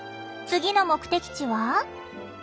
次の目的地は。